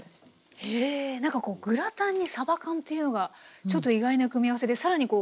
へえなんかこうグラタンにさば缶というのがちょっと意外な組み合わせで更にこうね